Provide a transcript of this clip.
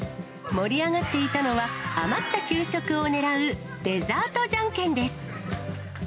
盛り上がっていたのは、余った給食をねらうデザートじゃんけんです。